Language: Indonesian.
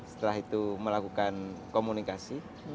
setelah itu melakukan komunikasi